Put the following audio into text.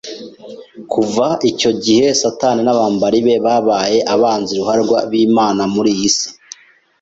Kuva icyo gihe Satani n’abambari be babaye abanzi ruharwa b’Imana muri iyi si,